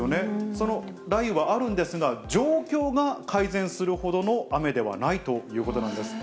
その雷雨はあるんですが、状況が改善するほどの雨ではないということなんです。